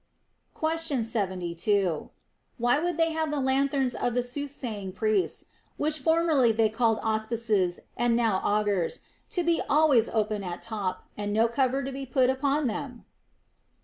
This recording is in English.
Question 72. Why would they have the lanthorns of the soothsaying priests (which formerly they called Aus pices, and now Augures) to be always open at top, and no cover to be put upon them